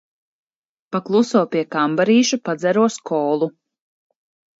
Pa kluso pie kambarīša padzeros kolu.